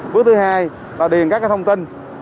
bước thứ hai là điền các thông tin